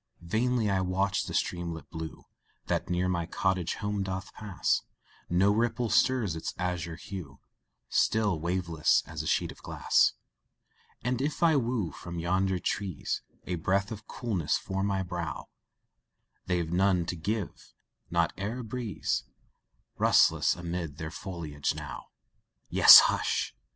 Vainly I watch the streamlet blue That near my cottage home doth pass, No ripple stirs its azure hue, Still waveless, as a sheet of glass And if I woo from yonder trees A breath of coolness for my brow, They've none to give not e'en a breeze Rustles amid their foliage now; Yes, hush!